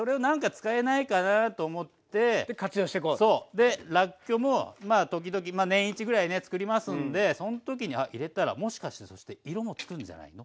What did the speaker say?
でらっきょうもまあ時々年一ぐらいねつくりますんでその時に「あ入れたらもしかして色もつくんじゃないの？」。